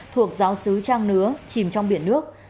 thuộc giáo sứ trang nứa chìm trong biển nước